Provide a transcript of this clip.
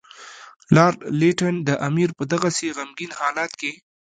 لارډ لیټن د امیر په دغسې غمګین حالت کې.